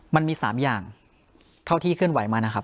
มันมี๓อย่างเท่าที่เคลื่อนไหวมานะครับ